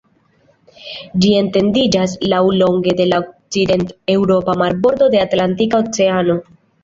Ĝi etendiĝas laŭlonge de la okcident-eŭropa marbordo de Atlantika Oceano.